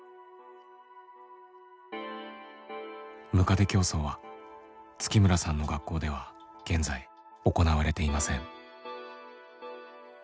むかで競走は月村さんの学校では現在行われていません。